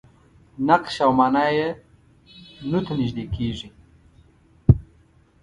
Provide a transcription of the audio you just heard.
نقش او معنا یې نو ته نژدې کېږي.